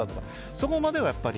そこまではやっぱり。